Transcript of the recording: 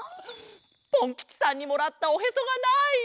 ポンきちさんにもらったおへそがない！